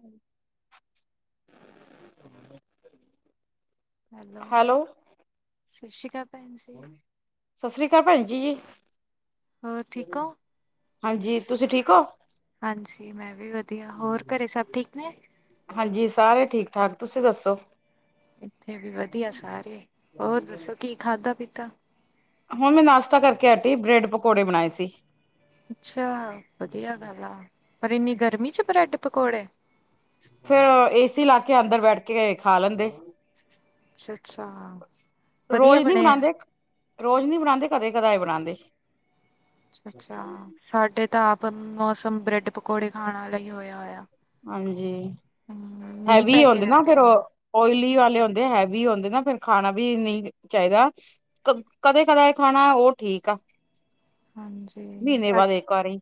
ਹੂੰ, ਹੈਲੋ ਸਤਿ ਸ਼੍ਰੀ ਅਕਾਲ, ਭੈਣ ਜੀ ਸਤਿ ਸ੍ਰੀ ਅਕਾਲ ਭੈਣ ਜੀ ਜੀ। ਹੋਰ ਠੀਕ ਓ। ਹਾਂਜੀ, ਤੁਸੀਂ ਠੀਕ ਓ। ਹਾਂਜੀ, ਮੈਂ ਵੀ ਵਧੀਆ ਹੋਰ ਘਰੇ ਸਭ ਠੀਕ ਨੇ। ਹਾਂਜੀ ਸਾਰੇ ਠੀਕ -ਠਾਕ ਤੁਸੀਂ ਦੱਸੋ। ਇੱਥੇ ਵੀ ਵਧੀਆ ਸਾਰੇ, ਹੋਰ ਦੱਸੋ ਕੀ ਖਾਧਾ ਪੀਤਾ। ਹੁਣ ਮੈਂ ਨਾਸ਼ਤਾ ਕਰਕੇ ਆਟੀ, ਬ੍ਰੈਡ ਪਕੌੜੇ ਬਣਾਏ ਸੀ। ਅੱਛਾ ਵਧੀਆ ਗੱਲ ਆ। ਪਰ ਇੰਨੀ ਗਰਮੀ ਚ ਬ੍ਰੈਡ ਪਕੌੜੇ। ਫੇਰ ਏਸੀ ਲਾ ਕੇ ਅੰਦਰ ਬੈਠ ਕੇ, ਖਾ ਲੈਂਦੇ। ਅੱਛਾ ਅੱਛਾ ਵਧੀਆ ਰੋਜ਼ ਨੀ ਬਣੇ ਆ ਬਣਾਂਦੇ, ਰੋਜ਼ ਨੀ ਬਣਾਂਦੇ, ਕਦੇ ਕਦਾਏ ਬਣਾਉਂਦੇ [unintelligible] ਅੱ ਅੱਛਾ ਸਾਡੇ ਤਾਂ ਆਪ, ਮੌਸਮ ਬ੍ਰੈਡ ਪਕੌੜੇ ਖਾਣ ਆਲਾਈ ਹੋਇਆ ਹੋਇਆ। ਹਾਂਜੀ, ਹਮ ਮੀਂਹ ਹੈਵੀ ਪੈ ਕੇ ਓਂਦੇ ਨਾ ਫੇਰ, ਹਟਿਆ ਓਇਲੀ ਵਾਲੀ ਹੁੰਦੇ ਹੈਵੀ ਹੁੰਦੇ ਨਾ ਫਿਰ ਖਾਣਾ ਵੀ ਨਹੀਂ ਚਾਹੀਦਾ ਕਦੇ-ਕਦੇ ਖਾਣਾ ਉਹ ਠੀਕ ਠੀਕ ਆ, ਹਾਂਜੀ ਮਹੀਨੇ ਸਾ ਬਾਅਦ ਇੱਕ ਵਾਰੀ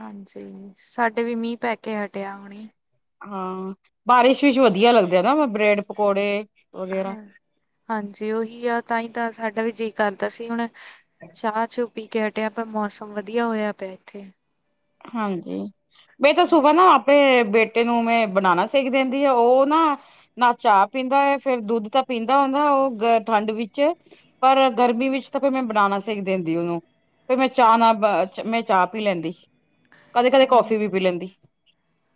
ਹਾਂਜੀ ਸਾਡੇ ਵੀ ਮੀਂਹ, ਪੈ ਕੇ ਹਟਿਆ ਹੁਣੀ, ਹਾਂ ਬਾਰਿਸ਼ ਵਿੱਚ ਵਧੀਆ ਲੱਗਦੇ ਨਾ ਬ੍ਰੈਡ ਪਕੌੜੇ, ਵਗੈਰਾ ਹਾਂ ਹਾਂਜੀ, ਉਹੀ ਆ ਤਾਂ ਹੀ ਤਾਂ ਸਾਡਾ ਵੀ ਜੇ ਕਰਦਾ ਸੀ ਹੁਣ ਚਾਹ ਚੂਹ ਪੀ ਕੇ ਹਟਿਆ ਪਰ ਮੌਸਮ ਵਧੀਆ ਹੋਇਆ ਪਿਆ ਇੱਥੇ, ਹਾਂਜੀ ਮੀਹ ਤਾਂ ਸੁਬਾਹ ਨਾ ਆਪਣੇ ਬੇਟੇ, ਐਨੂੰ ਮੈਂ ਬਨਾਨਾ ਸੇਕ ਦਿੰਦੀ ਆ ਉਹ ਨਾ-ਨਾ ਚਾਹ ਪੀਂਦਾ ਹੈ ਫੇਰ ਦੁੱਧ ਤਾਂ ਪੀਂਦਾ ਹੁੰਦਾ। ਉਹ ਠੰਡ ਵਿੱਚ ਪਰ ਗਰਮੀ ਵਿੱਚ ਤਾਂ ਫੇਰ ਮੈਂ ਬਣਾਉਣਾ ਸਿੱਖ ਦਿੰਦੀ ਉਹਨੂੰ, ਫਿਰ ਮੈਂ ਚਾਹ ਨਾਲ ਮੈਂ ਚਾਹ ਪੀ ਲੈਂਦੀ ਸੀ।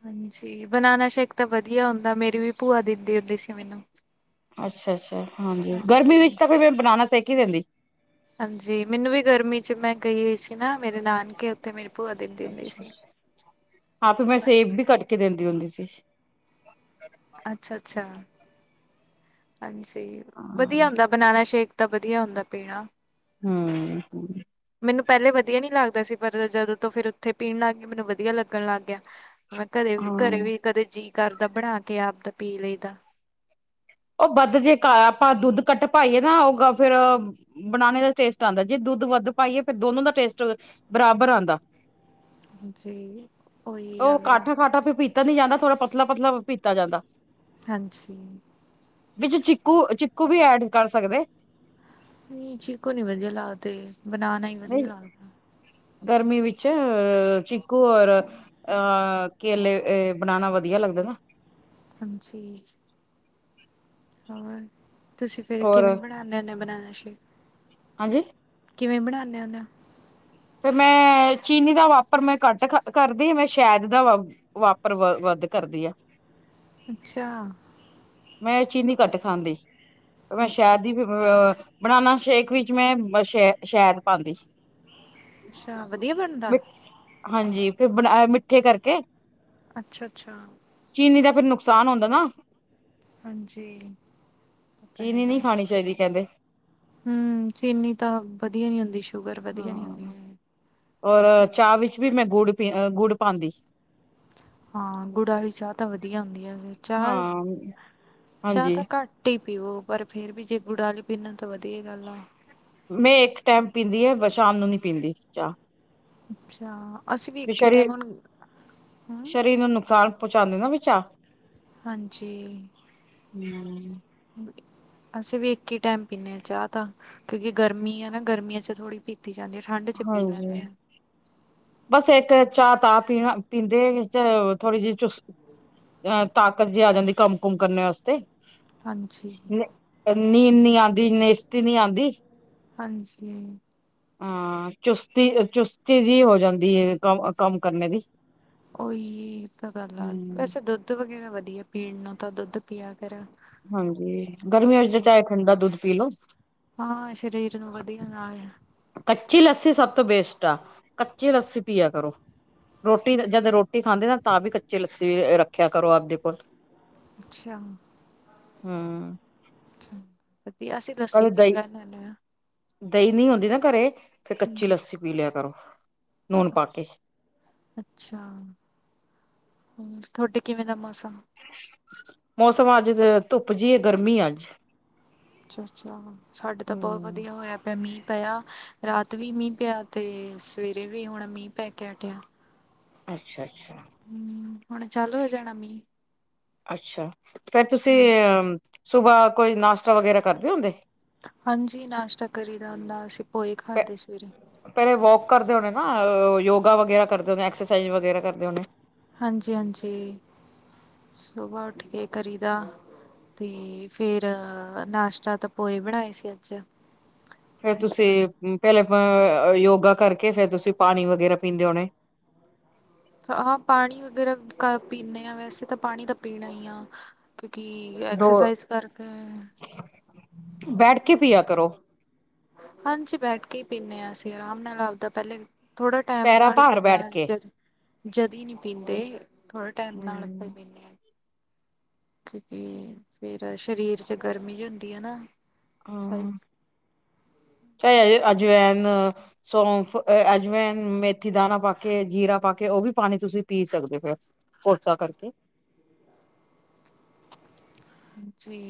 ਹਾਂਜੀ ਬਨਾਨਾ ਸ਼ੇਕ ਤਾਂ ਵਧੀਆ ਹੁੰਦਾ ਮੇਰੀ ਵੀ, ਭੂਆ ਦਿੰਦੀ ਹੁੰਦੀ ਸੀ ਮੈਨੂੰ, ਅੱਛਾ-ਅੱਛਾ ਹਾਂਜੀ ਗਰਮੀ ਵਿੱਚ ਤਾਂ ਕੋਈ ਮੈਂ ਬਨਾਨਾ ਸੇਕ ਹੀ ਦਿੰਦੀ। ਹਾਂਜੀ ਮੈਨੂੰ ਵੀ ਗਰਮੀ ਚ ਮੈਂ ਗਈ ਹੋਈ ਸੀ ਨਾ, ਮੇਰੇ ਨਾਨਕੇ ਉੱਥੇ ਮੇਰੀ ਭੂਆ ਦਿੰਦੀ ਹੁੰਦੀ ਸੀ। ਹਾਂ, ਤੇ ਮੈਂ ਸੇਬ ਵੀ ਕੱਟ ਕੇ ਦਿੰਦੀ ਹੁੰਦੀ ਸੀ। [unintelligible] ਅੱਛਾ-ਅੱਛਾ ਹਾਂਜੀ, ਹਾਂ ਵਧੀਆ ਹੁੰਦਾ ਬਨਾਨਾ ਸ਼ੇਕ ਤਾਂ ਵਧੀਆ ਹੁੰਦਾ ਪੀਣਾ ਹੂੰ, ਮੈਨੂੰ ਪਹਿਲੇ ਵਧੀਆ ਨੀ ਲੱਗਦਾ ਸੀ ਪਰ ਜਦੋਂ ਤੋਂ ਫਿਰ ਉੱਥੇ ਪੀਣ ਲੱਗ ਗਈ ਮੈਨੂੰ ਵਧੀਆ ਲੱਗਣ ਲੱਗ ਗਿਆ। ਮੈਂ ਕਦੇ ਘਰੇ ਹਾਂ ਵੀ ਕਦੇ ਜੀਅ ਕਰਦਾ ਬਣਾ ਕੇ ਆਪਦਾ ਪੀ ਲਈ ਦਾ, ਉਹ ਵੱਧ ਜੇ ਆਪਾਂ ਦੁੱਧ ਕੱਟ ਪਾਈਏ ਨਾ ਉਹ ਫੇਰ ਬਨਾਨੇ ਦਾ ਟੇਸਟ ਆਦਾ ਜੇ, ਦੁੱਧ ਵੱਧ ਪਾਈਏ ਫਿਰ ਦੋਨੋ ਦਾ ਟੇਸਟ ਬਰਾਬਰ ਆਦਾ। ਜੀ ਉਹੀ ਗੱਲ ਆ। ਪਤਾ ਨੀ ਜਾਂਦਾ ਥੋੜਾ ਪਤਲਾ-ਪਤਲਾ ਪੀਤਾ ਜਾਂਦਾ। ਹਾਂਜੀ, ਵਿੱਚ ਚੀਕੂ-ਚੀਕੂ ਵੀ ਐਡ ਕਰ ਸਕਦੇ। ਨਹੀਂ ਚੀਕੋ ਨੀ ਵਧੀਆ ਲੱਗਦੇ ਬਨਾਨਾ ਹੀ ਵਧੀਆ ਨਹੀਂ ਲੱਗਦਾ। ਗਰਮੀ ਵਿੱਚ ਚੀਕੂ ਔਰ ਅਹ ਕੇਲੇ ਬਨਾਨਾ ਵਧੀਆ। ਲੱਗਦਾ ਨਾ ਹਾਂਜੀ ਹੋਰ ਤੁਸੀਂ ਫਿਰ ਔਰ ਕਿਵੇਂ ਬਣਾਉਦੇ ਹੈਗੇ ਬਨਾਨਾ ਸ਼ੇਕ। ਹਾਂਜੀ ਕਿਵੇਂ ਬਣਾਦੇ ਹੁੰਦੇ ਆ। ਫਿਰ ਮੈਂ ਚੀਨੀ ਦਾ ਵਾਪਰ ਮੈਂ ਕੱਟ ਕਰਦੀ ਮੈਂ ਸ਼ਾਇਦ ਦਾ ਵਾਪਰ ਕਰਦੀ ਆ। ਅੱਛਾ ਮੈਂ ਚੀਨੀ ਘੱਟ ਖਾਂਦੀ ਮੈਂ ਅੱਛਾ ਸ਼ਾਇਦ ਹੀ ਫਿਰ। ਬਨਾਨਾ ਸ਼ੇਕ ਵਿੱਚ ਮੈਂ ਸ਼ ਸ਼ਹਿਦ ਪਾਉਂਦੀ ਸੀ। ਅੱਛਾ ਵਧੀਆ ਬਣਦਾ। ਫ ਬਣਾ ਮਿੱਠੇ ਕਰਕੇ, ਅੱਛਾ-ਅੱਛਾ, ਨੀ ਦਾ ਫਿਰ ਨੁਕਸਾਨ ਹੁੰਦਾ ਨਾ, ਹਾਂਜੀ ਉਹ ਤਾਂ ਚੀਨੀ ਹੈਗਾ ਨਹੀਂ ਖਾਣੀ ਚਾਹੀਦੀ ਕਹਿੰਦੇ, ਹੂੰ, ਚੀਨੀ ਤਾਂ ਵਧੀਆ ਨੀ ਹੁੰਦੀ ਸ਼ੂਗਰ ਵਧੀਆ ਨੀ ਹੁੰਦੀ। ਹਾਂ ਔਰ ਚਾਹ ਵਿੱਚ ਵੀ ਮੈਂ ਗੁੜ ਪੀ ਗੁੜ ਪਾਦੀ। ਹਾਂ ਗੁਡਾ ਆਲੀ ਚਾਹ ਤਾਂ ਵਧੀਆ ਹੁੰਦੀ ਹੈ ਹਾਂ ਚਾਹ ਚਾਹ ਹਾਂਜੀ ਤਾਂ ਘੱਟ ਹੀ, ਪੀਵੋ ਪਰ ਫੇਰ ਵੀ ਜੇ ਗੁਡਾਲੀ ਪੀਣਾ ਤਾਂ ਵਧੀਆ ਗੱਲ ਆ, ਮੈਂ ਇੱਕ ਟਾਈਮ ਪੀਂਦੀ ਹੈ ਸ਼ਾਮ ਨੂੰ ਨੀ ਪੀਂਦੀ ਚਾਹ, ਅੱਛਾ, ਅਸੀਂ ਵੀ ਇੱਕ ਟਾਈਮ ਹੁਣ ਹੂੰ, ਪਹੁੰਚਾਦੇ ਨਾ ਵਿਚ ਹਾਂਜੀ ਹਮ ਅਸੀਂ ਵੀ ਇੱਕ ਹੀ ਟਾਈਮ ਪੀਨੇ ਚਾਹ ਤਾ ਕਿਉਂਕਿ ਗਰਮੀ ਆ ਨਾ ਗਰਮੀਆਂ ਚ ਥੋੜ੍ਹੀ ਪੀਤੀ ਪੀਤੀ ਜਾਂਦੀ ਹੈ ਠੰਡ ਚ ਪੀ ਲੈਂਦੇ ਹਾਂਜੀ ਹਾਂ। ਬਸ ਇੱਕ ਚਾਹ ਤਾਪੀਂਦੇ ਥੋੜ੍ਹੀ ਜਿਹੀ ਚੁ ਅਹ ਤਾਕਤ ਜਿਹੀ ਆ ਜਾਂਦੀ ਕੰਮ ਕੁਮ ਕਰਨੇ ਵਾਸਤੇ। ਹਾਂਜੀ ਨੀਂਦ ਨੀ ਆਉਂਦੀ ਨੇਸਤੀ ਨੀ ਆਉਂਦੀ। ਹਾਂਜੀ ਹਾਂ ਚੁਸਤੀ ਚੁਸਤੀ ਜਿਹੀ ਹੋ ਜਾਂਦੀ ਹੈ ਕੰਮ ਕਰਨੇ ਦੀ ਉਹੀ ਤਾਂ ਗੱਲ ਆ ਹੂੰ। ਵੈਸੇ ਦੁੱਧ ਵਗੈਰਾ ਵਧੀਆ ਪੀਣ ਨੂੰ ਤਾਂ ਦੁੱਧ ਪੀਆ ਕੇ ਹਾਂਜੀ ਗਰਮੀਆਂ ਵਿੱਚ ਚਾਹੇ ਠੰਡਾ ਦੁੱਧ ਪੀ ਲੋੋ। ਹਾਂ ਸ਼ਰੀਰ ਨੂੰ ਵਧੀਆ ਨਾਲ ਕੱਚੀ ਲੱਸੀ ਸਭ ਤੋਂ ਬੇਸਟ ਆ ਕੱਚੀ ਲੱਸੀ ਪੀਆ ਕਰੋ। ਰੋਟੀ ਜਦ ਰੋਟੀ ਖਾਂਦੇ ਨਾ ਤਾਂ ਵੀ ਕੱਚੀ ਲੱਸੀ ਰੱਖਿਆ ਕਰੋ ਆਪਦੇ ਕੋਲ ਅੱਛਾ ਹਮ ਅਸੀਂ ਲੱਸੀ ਕਦੇ ਪੀ ਦਹੀਂ ਲੈਦੇ ਹੁੰਦੇ ਆ। ਦਹੀਂ ਨਹੀਂ ਹੁੰਦੀ ਨਾ ਘਰੇ ਫਿਰ ਕੱਚੀ ਹੂੰ। ਲੱਸੀ ਪੀ ਲਿਆ ਕਰੋ। ਨੂਨ ਪਾ ਕੇ ਅੱਛਾ ਹੋਰ ਤੁਹਾਡੇ ਕਿਵੇਂ ਦਾ ਮੌਸਮ? ਮੌਸਮ ਅੱਜ ਧੁੱਪ ਜਿਹੀ ਹੈ ਗਰਮੀ ਅੱਜ। ਅੱਛਾ ਅੱਛਾ ਸਾਡੇ ਤਾਂ ਬਹੁਤ ਹਮ ਵਧੀਆ ਹੋਇਆ ਪਿਆ ਮੀਂਹ ਪਿਆ ਰਾਤ ਵੀ ਮੀਂਹ ਪਿਆ ਤੇ ਸਵੇਰੇ ਵੀ ਹੁਣ ਮੀਂਹ ਪੈ ਕੇ ਹਟਿਆ। ਅੱਛਾ ਅੱਛਾ ਹਮ ਹੁਣ ਚਾਲੂ ਹੋ ਜਾਣਾ ਮੀਹ। ਅੱਛਾ ਫਿਰ ਤੁਸੀਂ ਅ ਸੁਬਾਹ ਕੋਈ ਨਾਸ਼ਤਾ ਵਗੈਰਾ ਕਰਦੇ ਹੁੰਦੇ। ਹਾਂਜੀ ਨਾਸ਼ਤਾ ਕਰੀ ਦਾ ਹੁੰਦਾ ਅਸੀ। ਪਹਿਲੇ ਵੋਕ ਕਰਦੇ ਹੋਣੇ ਨਾ ਯੋਗਾ ਵਗੈਰਾ ਕਰਦੇ ਹੁੰਦੇ। ਐਕਸਰਸਾਈਜ਼ ਵਗੈਰਾ ਕਰਦੇ ਹੋਣੇ। ਹਾਂ ਜੀ ਹਾਂ ਜੀ ਸੁਬਹ ਉਠ ਕੇ ਕਰੀ ਦਾ। ਤੇ ਫੇਰ ਨਾਸ਼ਤਾ ਤਾਂ ਪੋਹੇ ਬਣਾਏ ਸੀ ਅੱਜ। ਫੇਰ ਤੁਸੀਂ ਪਹਿਲੇ। ਅ ਯੋਗਾ ਕਰਕੇ ਫੇਰ ਤੁਸੀਂ ਪਾਣੀ ਵਗੈਰਾ ਪੀਂਦੇ ਹੋਣੇ। ਹਾਂ ਹਾਂ ਪਾਣੀ ਵਗੈਰਾ ਪੀਂਦੇ ਆ। ਵੈਸੇ ਤਾਂ ਪਾਣੀ ਤਾਂ ਪੀਣਾ ਹੀ ਆ। ਕਿਉਂਕਿ ਦੋ। ਐਕਸਰਸਾਈਜ਼ ਕਰਕੇ ਬੈਠ ਕੇ ਪੀਆ ਕਰੋ। ਹਾਂ ਜੀ ਬੈਠ ਕੇ ਹੀ ਪੀਂਦੇ ਹਾਂ ਅਸੀਂ ਆਰਾਮ ਨਾਲ ਆਪਦਾ ਪਹਿਲੇ। ਥੋੜਾ ਟਾਈਮ ਪੈਰਾਂ ਨਾਲ ਹੀ ਭਾਰ ਪੀਦੇ ਬੈਠ ਹਾਂ ਅ ਕੇ ਜ। ਜਦੀ ਨਹੀਂ ਪੀਂਦੇ। ਥੋੜੇ ਟਾਈਮ ਨਾਲ ਹੀ ਹਮ ਪੀਦੇ ਹਾਂ। ਕਿਉਂਕਿ ਫੇਰ ਸਰੀਰ ਚ ਗਰਮੀ ਜਿਹੀ ਹੁੰਦੀ ਹੈ ਨਾ। ਸਾਰੀ ਹਮ ਚਾਹੇ ਅਜਵੈਨ ਸੌਫ। ਅਜਵੈਨ ਮੇਥੀ ਦਾਣਾ ਪਾ। ਕੇ ਜੀਰਾ ਪਾ ਕੇ ਉਹ ਵੀ ਪਾਣੀ ਤੁਸੀਂ ਪੀ ਸਕਦੇ ਹੋ ਫਿਰ ਕੋਸਾ ਕਰਕੇ ਜੀ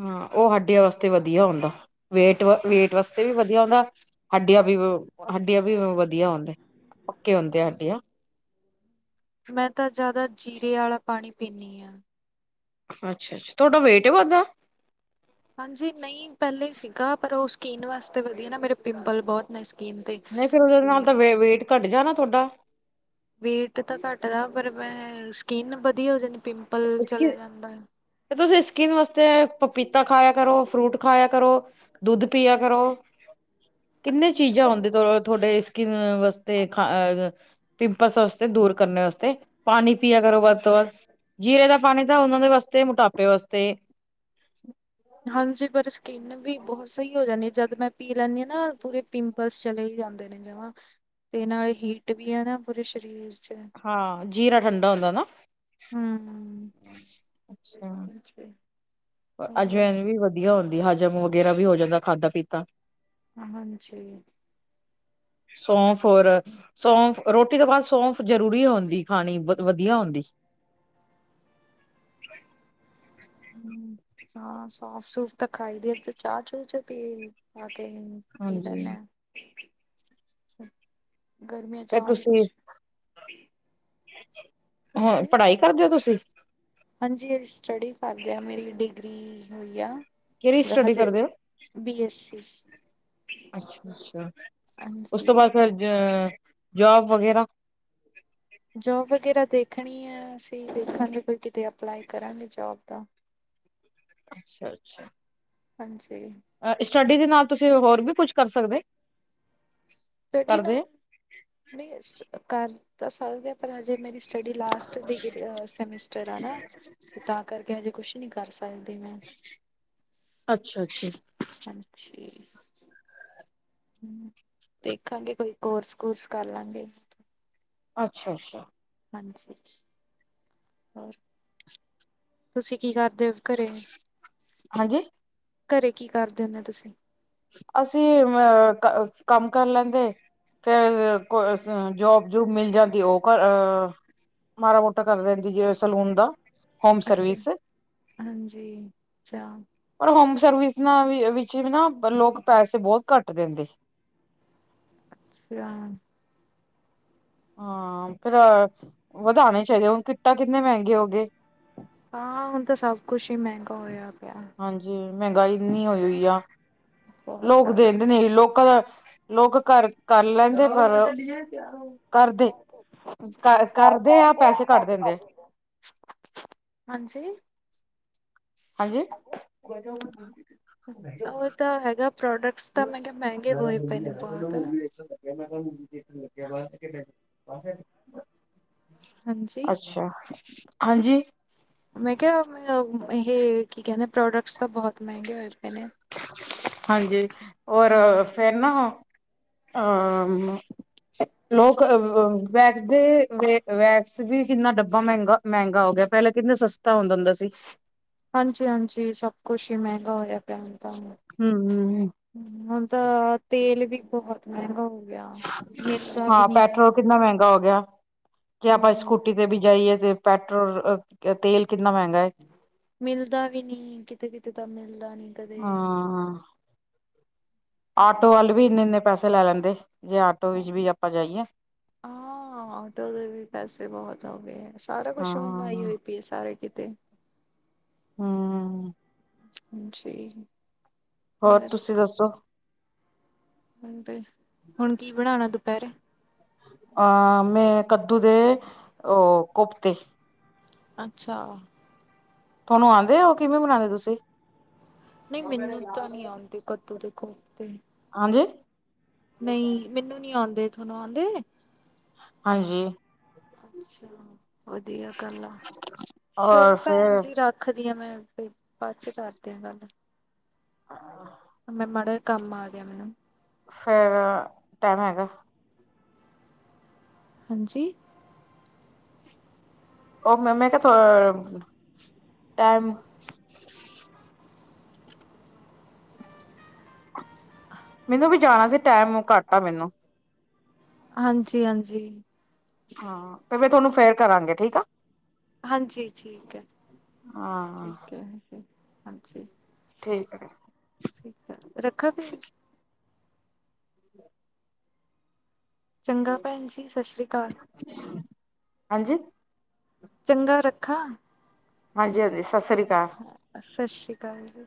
ਹਾਂ ਉਹ ਹੱਡੀਆਂ ਵਾਸਤੇ ਵਧੀਆ ਹੁੰਦਾ ਵੇਟ ਵ ਵੇਟ ਵਾਸਤੇ ਵੀ ਵਧੀਆ। ਵਧੀਆ ਹੁੰਦਾ ਹੱਡੀਆਂ ਵੀ ਹੱਡੀਆਂ ਵੀ ਵਧੀਆ ਹੁੰਦੇ ਪੱਕੇ ਹੁੰਦੇ ਆ ਹੱਡੀਆਂ। ਮੈਂ ਤਾਂ ਜ਼ਿਆਦਾ ਜੀਰੇ ਵਾਲਾ ਪਾਣੀ ਪੀਦੀ ਹਾਂ। ਅੱਛਾ ਅੱਛਾ ਤੁਹਾਡਾ ਵੇਟ ਨਹੀਂ ਵੱਧਦਾ। ਹਾਂਜੀ ਨਹੀਂ ਪਹਿਲੇ ਹੀ ਸੀਗਾ ਪਰ ਉਹ ਸਕਿੰਨ ਵਾਸਤੇ ਵਧੀਆ ਨਾ ਮੇਰੇ ਪਿੰਪਲ ਬਹੁਤ ਨ ਨਹੀਂ ਫਿਰ ਉਹਦੇ ਨਾਲ ਤਾਂ ਵ ਵੇਟ ਘੱਟ ਜਾਣਾ ਤੁਹਾਡਾ। ਵੇਟ ਤਾਂ ਘੱਟਦਾ ਪਰ ਮੈਂ ਸਕਿਨ ਵਧੀਆ ਹੋ ਜਾਂਦੀ। ਪਿੰਪਲ ਸਕਿ ਚਲੇ ਜਾਂਦਾ ਹੈ। ਤੇ ਤੁਸੀਂ ਸਕਿਨ ਵਾਸਤੇ ਪਪੀਤਾ ਖਾਇਆ ਕਰੋ, ਫਰੂਟ ਖਾਇਆ ਕਰੋ, ਦੁੱਧ ਪੀਆ ਕਰੋ। ਕਿੰਨੇ ਖਾਂਦੇ ਆ ਚੀਜ਼ਾਂ ਪਰ ਆਉਂਦੇ ਤੁਹਾਡੇ ਸਕਿਨ ਵਾਸਤੇ ਖ ਪਿੰਪਲਸ ਵਾਸਤੇ ਦੂਰ ਕਰਨ ਵਾਸਤੇ ਪਾਣੀ ਪੀਆ ਕਰੋ ਵੱਧ ਤੋਂ ਵੱਧ। ਜੀਰੇ ਦਾ ਪਾਣੀ ਤਾਂ ਉਹਨਾਂ ਦੇ ਵਾਸਤੇ ਮੋਟਾਪੇ ਵਾਸਤੇ। ਹਾਂ ਜੀ ਪਰ ਸ। ਸਕਿੰਨ ਵੀ ਬਹੁਤ ਸਹੀ ਹੋ ਜਾਂਦੀ ਆ। ਜਦ ਮੈਂ ਪੀ ਲੈਂਦੀ ਹਾਂ ਨਾ ਪੂਰੇ ਪਿੰਪਲਸ ਚਲੇ ਹੀ ਜਾਂਦੇ ਨੇ ਜਮਾਂ। ਤੇ ਨਾਲ ਹੀਟ ਵੀ ਆ ਨਾ ਪੂਰੇ ਸਰੀਰ। ਚ ਹਾਂ ਜੀਰਾ ਠੰਡਾ ਹੁੰਦਾ ਨਾ। ਅੱਛਾ ਹਮ। ਹੋਰ ਅਜਵੈਨ ਵੀ ਵਧੀਆ ਹੁੰਦੀ। ਹਜ਼ਮ ਵਗੈਰਾ ਵੀ ਹੋ ਜਾਂਦਾ ਖਾਧਾ ਪੀਤਾ। ਹਾਂ ਜੀ ਸੌਂਫ ਔਰ। ਸੌਂਫ ਰੋਟੀ ਤੋਂ ਬਾਅਦ ਸੌਂਫ ਜ਼ਰੂਰੀ ਹੁੰਦੀ ਖਾਣੀ ਵਧ ਵਧੀਆ ਹੁੰਦੀ। [inaudible] ਹਮ ਹਾਂ ਸਾਫ਼ ਸੂਫ਼ ਤਾਂ ਖਾਈ ਦੇ ਤੇ ਚਾਹ ਚੂ ਚ ਪੀ। ਕੀ ਹਾਂਜੀ ਤਨੇ? ਗਰਮੀਆਂ ਚ ਫਿਰ ਆ ਹੀ ਕੁਝ। ਹਾਂ ਪੜ੍ਹਾਈ ਕਰਦੇ ਓ ਤੁਸੀਂ? ਹਾਂਜੀ ਅ ਸਟੱਡੀ ਕਰਦੇ ਆ। ਮੇਰੀ ਡਿਗਰੀ ਹੋਈ ਆ। ਕਿਹੜੀ ਲੇ ਸਟੱਡੀ ਹਜੇ ਕਰਦੇ ਹੋ ਬੀ ਐੱਸਸੀ। ਅੱਛਾ ਅੱਛਾ। ਉਸ ਤੋਂ ਬਾਅਦ ਫਿਰ ਅ ਜੋਬ ਵਗੈਰਾ। ਜੋਬ ਵਗੈਰਾ। ਦੇਖਣੀ ਹੈ। ਅਸੀਂ ਦੇਖਾਂਗੇ ਕੋ ਕਿਤੇ ਅਪਲਾਈ ਕਰਾਂਗੇ ਜੋਬ ਦਾ। ਅੱਛਾ ਅੱਛਾ। ਹਾਂ ਜੀ। ਸਟੱਡੀ ਦੇ ਨਾਲ ਤੁਸੀਂ ਹੋਰ ਵੀ ਕੁਝ ਕਰ ਸਕਦੇ। ਸਟਡੀ ਕਰਦੇ ਨਾਲ। ਹੋ? ਨਹੀਂ ਕਰ ਤਾਂ ਸਕਦੇ ਪਰ ਹਜੇ ਮੇਰੀ। ਸਟਡੀ ਲਾਸਟ ਡਿਗਰੀ ਸੈਮੇਸਟਰ ਆ ਨਾ ਤੇ ਤਾਂ ਕਰਕੇ ਹਜੇ ਕੁਝ ਨੀ ਕਰ ਸਕਦੇ। ਅੱਛਾ ਅੱਛਾ। ਹਾਂਜੀ। ਦੇਖਾਂਗੇ। ਕੋਈ ਕੋਰਸ ਕੁਰਸ ਕਰ ਲਾਂਗੇ। ਅੱਛਾ ਅੱਛਾ। ਹਾਂਜੀ ਹੋਰ ਤੁਸੀਂ ਕੀ ਕਰਦੇ ਹੋ ਘਰੇ ਹਾਂਜੀ ਘਰੇ ਕੀ ਕਰਦੇ ਹੁੰਦੇ ਤੁਸੀਂ ਅਸੀਂ ਅ ਕੰਮ ਕਰ ਲੈਂਦੇ ਫੇਰ ਕੋ ਜੋਬ ਜੂਬ ਮਿਲ ਜਾਂਦੀ ਉਹ ਕਰ ਮਾੜਾ ਮੋਟਾ ਕਰ ਲੈਂਦੀ ਜੇ ਸੈਲੂਨ ਦਾ। ਹੋਮ ਅੱਛਾ ਸਰਵਿਸ ਹਾਂ ਜੀ ਚਾ। ਹਾਂ ਐ ਵੀ ਹੈ ਵਿੱਚ ਵਿੱਚ ਵੀ ਨਾ ਲੋਕ ਪੈਸੇ ਬਹੁਤ ਘੱਟ ਦਿੰਦੇ। ਅੱਛਾ। ਹਾਂ ਫਿਰ ਵਧਾਣੇ ਚਾਹੀਦੇ। ਹੁਣ ਕਿੱਟਾ ਕਿੰਨੇ ਮਹਿੰਗੇ ਹੋ ਗਏ? ਹਾਂ ਹੁਣ ਤਾਂ ਸਭ ਕੁਝ ਹੀ ਮਹਿੰਗਾ ਹੋਇਆ ਪਿਆ। ਹਾਂਜੀ ਮਹਿੰਗਾਈ ਇਨੀ ਹੋਈ ਆ ਬਹੁਤ ਲੋਕ ਜ਼ਿਆਦਾ। ਦੇਦੇ ਨੀ ਲੋਕਾਂ ਦਾ। ਲੋਕ ਘਰ ਕਰ ਲੈਂਦੇ। ਪਰ ਕਰਦੇ। ਕਰ ਕਰਦੇ ਆ ਪੈਸੇ ਕੱਟ ਦਿੰਦੇ ਆ। ਹਾਂਜੀ। ਹਾਂਜੀ। ਉਹ ਤਾਂ ਹੈਗਾ ਪ੍ਰੋਡਕਟਸ ਤਾਂ ਮੈਂ ਕਿਹਾ ਮਹਿੰਗੇ ਹੋਏ ਪਏ ਨੇ ਬਹੁਤ। [unintelligible] ਹਾਂਜੀ ਅੱਛਾ ਹਾਂਜੀ। ਮੈਂ ਕਿਹਾ ਇਹ ਕੀ ਕਹਿੰਦੇ ਪ੍ਰੋਡਕਟਸ ਤਾਂ ਬਹੁਤ ਮਹਿੰਗੇ ਹੋਏ ਪਏ ਨੇ। ਹਾਂਜੀ ਔਰ ਫੇਰ ਨਾ ਅ ਲੋਕ ਵੈਕਸ ਦੇ ਵੈਕਸ ਵੀ ਕਿੰਨਾ ਡੱਬਾ ਮਹਿੰਗਾ ਮਹਿੰਗਾ ਹੋ ਗਿਆ। ਪਹਿਲਾਂ ਕਿੰਨਾ ਸਸਤਾ ਹੁੰਦਾ ਹੁੰਦਾ ਸੀ। ਹਾਂਜੀ ਹਾਂਜੀ ਸਭ ਕੁਛ ਹੀ ਮਹਿੰਗਾ ਹੋਇਆ ਪਿਆ ਹੁਣ ਤਾਂ। ਹ ਹਮ ਹੁਣ ਤਾਂ ਤੇਲ ਵੀ ਬਹੁਤ ਮਹਿੰਗਾ ਹੋ ਗਿਆ। ਮਿਲਦਾ ਵੀ ਹਾਂ ਨੀ ਹੈ। ਪੈਟਰੋਲ ਕਿੰਨਾ ਮਹਿੰਗਾ ਕੀ ਆਪਾਂ ਹਮ ਸਕੂਟੀ ਤੇ ਵੀ ਜਾਈਏ ਤੇ ਪੈਟਰੋਲ ਤੇਲ ਕਿੰਨਾ ਮਹਿੰਗਾ ਹੈ। ਮਿਲਦਾ ਵੀ ਨਹੀਂ ਕਿਤੇ ਕਿਤੇ ਤਾਂ ਮਿਲਦਾ ਨੀ ਕਦੇ। ਹਾਂ ਹਾਂ ਆਟੋ ਵਾਲੇ ਵੀ ਬਹੁਤ ਇੰਨੇ ਇੰਨੇ ਪੈਸੇ ਲੈ ਲੈਂਦੇ। ਜੇ ਆਟੋ ਵਿੱਚ ਵੀ ਆਪਾਂ ਜਾਈਏ ਹਾਂ ਆਟੋ ਦੇ ਵੀ ਪੈਸੇ ਬਹੁਤ ਹੋ ਗਏ ਹੈ। ਸਾਰਾ ਕੁਛ ਮਗਾਈ ਹਾਂ ਹੋਈ ਪਈਏ ਸਾਰੇ ਕਿਤੇ। ਹਮ। ਹ ਜੀ। ਹੋਰ ਤੁਸੀਂ ਦੱਸੋ? ਹ ਹੁਣ ਕੀ ਬਣਾਉਣਾ ਦੁਪਹਿਰੇ? ਅਹ ਮੈਂ ਕੱਦੂ ਦੇ ਉਹ ਕੋਫਤੇ। ਅੱਛਾ। ਤੁਹਾਨੂੰ ਆਉਂਦੇ ਹੋ ਕਿਵੇਂ ਬਨਾਉਂਦੇ ਤੁਸੀਂ? ਨਹੀਂ ਮੈਨੂੰ ਤਾਂ ਨਹੀਂ ਆਉਂਦੇ ਕੱਦੂ ਦੇ ਕੋਫ ਤੇ। [unintelligible] ਨਹੀਂ ਮੈਨੂੰ ਨੀ ਆਉਂਦੇ ਤੁਹਾਨੂੰ ਆਉਂਦੇ? ਹਾਂਜੀ। ਅੱਛਾ ਵਧੀਆ ਗੱਲ ਆ ਚਲੋ ਔਰ ਭੈਣ ਫਿਰ ਜੀ ਰੱਖਦੀ ਆ ਮੈਂ। ਬਾਦ ਚ ਕਰਦੇ ਆ ਗੱਲ। ਹਾਂ। ਮੈਂ ਮਾੜਾ ਕੰਮ ਆ ਗਿਆ ਮੈਨੂੰ। ਫਰਾ ਟਾਈਮ ਹੈਗਾ। ਹਾਂਜੀ। ਉਹ ਮੈ ਮੈਂ ਕਿਹਾ ਥੋੜਾ ਟਾਈਮ। ਮੈਨੂੰ ਵੀ ਜਾਣਾ ਸੀ ਟੈਮ ਘੱਟ ਆ ਮੈਨੂੰ। ਹਾਂਜੀ ਹਾਂਜੀ। ਹਾਂ ਤੇ ਮੈਂ ਤੁਹਾਨੂੰ ਫੇਰ ਕਰਾਂਗੀ ਠੀਕ ਐ। ਹਾਂਜੀ ਠੀਕ ਹੈ, ਹਾਂ ਠੀਕ ਹੈ ਹਾਂਜੀ। ਠੀਕ ਹੈ ਠੀਕ ਆ ਰੱਖਾਂ ਫਿਰ [unintelligible] ਚੰਗਾ ਭੈਣ ਜੀ ਸਸ ਰੀ ਅਕਾਲ। ਹਾਂਜੀ ਚੰਗਾ ਰੱਖਾਂ? ਹਾਂਜੀ ਹਾਂਜੀ ਸਤਿ ਸ੍ਰੀ ਅਕਾਲ। ਹ ਸਤਿ ਸ੍ਰੀ ਅਕਾਲ ਜੀ।